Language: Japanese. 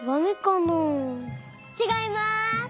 ちがいます。